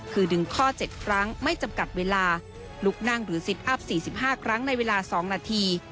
คือดึงข้อ๗ครั้งไม่จำกัดเวลาลุกนั่งหรือซิตอัพ๔๕ครั้งในเวลา๒นาที